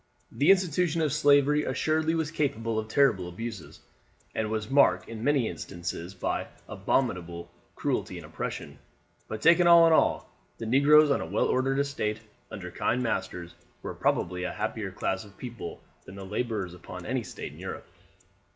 The institution of slavery assuredly was capable of terrible abuses, and was marked in many instances by abominable cruelty and oppression; but taken all in all, the negroes on a well ordered estate, under kind masters, were probably a happier class of people than the laborers upon any estate in Europe.